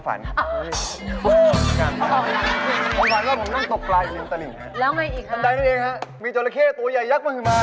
แล้วไงอีกครับนั่นฝันตั้งนี้เองครับมีโจรเข้ตัวยักยักษ์มือมา